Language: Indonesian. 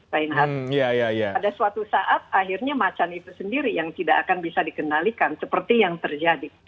pada suatu saat akhirnya macan itu sendiri yang tidak akan bisa dikendalikan seperti yang terjadi